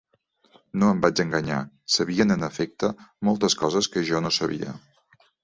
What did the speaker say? No em vaig enganyar: sabien en efecte moltes coses que jo no sabia.